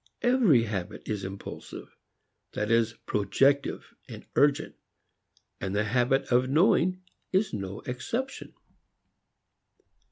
Every habit is impulsive, that is projective, urgent, and the habit of knowing is no exception.